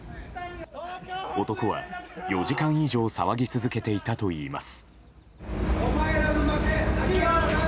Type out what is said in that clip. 男は４時間以上騒ぎ続けていたといいます。